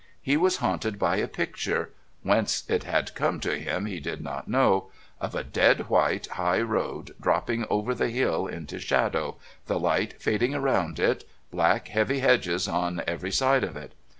He was haunted by a picture whence it had come to him he did not know of a dead white high road, dropping over the hill into shadow, the light fading around it, black, heavy hedges on every side of it.